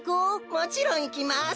もちろんいきます。